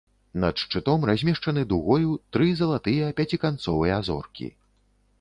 Над шчытом размешчаны дугою тры залатыя пяціканцовыя зоркі.